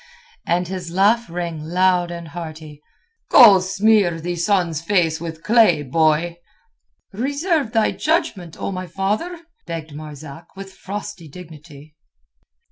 And his laugh rang loud and hearty. "Go smear the sun's face with clay, boy." "Reserve thy judgment, O my father," begged Marzak, with frosty dignity.